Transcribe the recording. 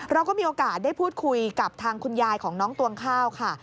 เราก็มีโอกาสได้พูดคุยกับทางคุณยายของน้องตวงข้าวค่ะ